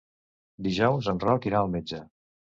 Dijous en Roc irà al metge.